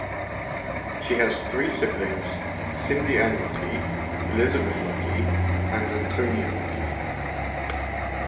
She has three siblings, Cindy Ann Lucky, Elizabeth Lucky and Antonia Lucky.